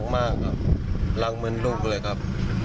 มากครับรักเหมือนลูกเลยครับ